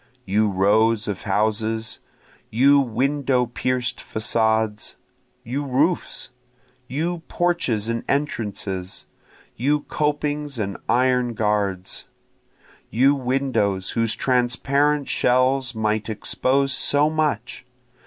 You rows of houses! you window pierc'd facades! you roofs! You porches and entrances! you copings and iron guards! You windows whose transparent shells might expose so much!